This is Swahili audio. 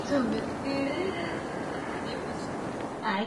Madereva wanatoa nafasi kwa watembea kwa miguu na kujaribu